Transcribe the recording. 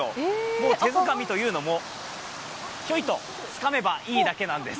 もう、手つがみというのも、ひょいとつかめばいいだけなんです。